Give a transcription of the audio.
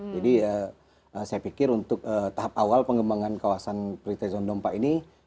jadi saya pikir untuk tahap awal pengembangan kawasan pre trade zone dompa ini